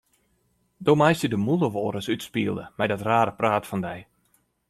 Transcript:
Do meist dy de mûle wolris útspiele mei dat rare praat fan dy.